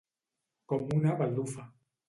Com una baldufa.